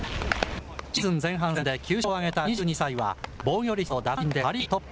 シーズン前半戦で９勝を挙げた２２歳は、防御率と奪三振でパ・リーグトップ。